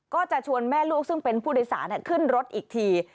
ก็จะชวนแม่ลูกซึ่งเป็นผู้โดยสารขึ้นรถอีกที